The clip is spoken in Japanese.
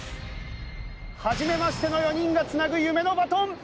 はじめましての４人がつなぐ夢のバトン！